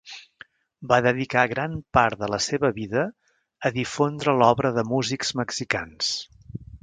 Va dedicar gran part de la seva vida a difondre l'obra de músics mexicans.